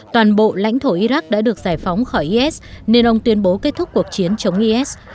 toàn bộ lãnh thổ iraq đã được giải phóng khỏi is nên ông tuyên bố kết thúc cuộc chiến chống is